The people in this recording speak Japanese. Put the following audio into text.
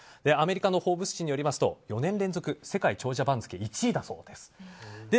アメリカの「フォーブス」誌によりますと４年連続世界長者番付１位だそうです。